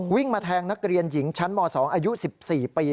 มาแทงนักเรียนหญิงชั้นม๒อายุ๑๔ปี